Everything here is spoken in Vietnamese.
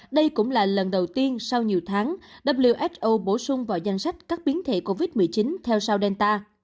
đây cũng là lần đầu tiên sau nhiều tháng who bổ sung vào danh sách các biến thể covid một mươi chín theo sau delta